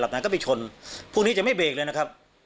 หลับหน่ายก็ไปชนพวกนี้จะไม่เบรกเลยนะครับ